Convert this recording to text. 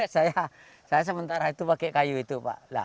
saya sementara itu pakai kayu itu pak